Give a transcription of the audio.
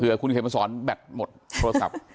เพื่อคุณเขมสอนแบตหมดโทรศัพท์